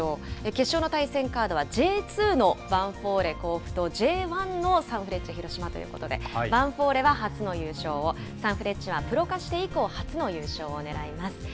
決勝の対戦カードは、Ｊ２のヴァンフォーレ甲府と、Ｊ１のサンフレッチェ広島ということで、ヴァンフォーレは初の優勝を、サンフレッチェがプロ化して以降、初の優勝を狙います。